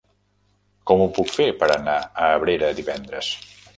Com ho puc fer per anar a Abrera divendres?